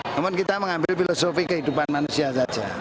namun kita mengambil filosofi kehidupan manusia saja